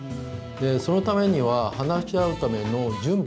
そのためには話し合うための準備。